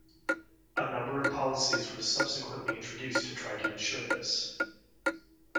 A number of policies were subsequently introduced to try to ensure this.